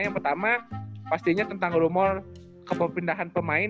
yang pertama pastinya tentang rumor keperpindahan pemain